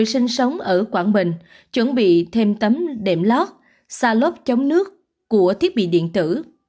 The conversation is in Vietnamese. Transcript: sinh sống ở quảng bình chuẩn bị thêm tấm đệm lót xa lốp chống nước của thiết bị điện tử